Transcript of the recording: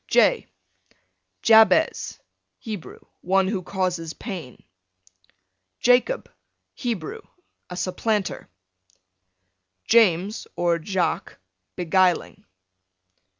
J Jabez, Hebrew, one who causes pain. Jacob, Hebrew, a supplanter. James, or Jaques, beguiling.